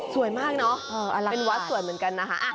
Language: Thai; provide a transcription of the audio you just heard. สวยมากเนอะเป็นวัดสวยเหมือนกันนะคะ